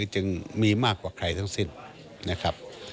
จึงมีมากกว่าใครทั้งสิ้นนะครับ